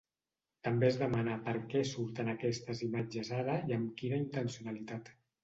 També es demana per què surten aquestes imatges ara i amb quina intencionalitat.